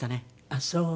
ああそう。